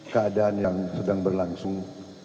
keadaan yang sedang berlangsung